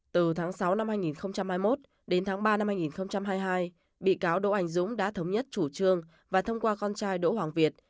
từ tháng sáu năm hai nghìn hai mươi một đến tháng ba năm hai nghìn hai mươi hai bị cáo đỗ anh dũng đã thống nhất chủ trương và thông qua con trai đỗ hoàng việt